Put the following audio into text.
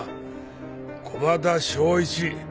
駒田正一。